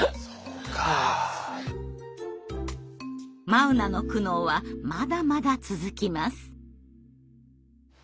眞生の苦悩はまだまだ続きます。